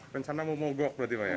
bersama momogok berarti pak